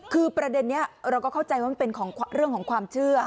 คือประเด็นนี้เราก็เข้าใจว่ามันเป็นเรื่องของความเชื่อ